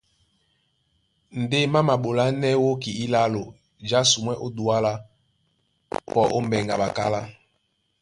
Ndé má maɓolánɛ́ wóki ílálo jǎsumwɛ́ ó Duala, pɔ ó mbɛŋgɛ a ɓakálá.